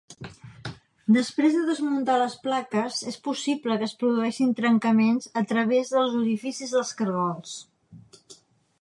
Després de desmuntar les plaques, és possible que es produeixin trencaments a través dels orificis dels caragols.